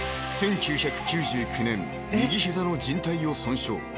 ［１９９９年右膝の靱帯を損傷］